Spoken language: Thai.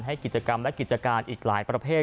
กิจกรรมและกิจการอีกหลายประเภท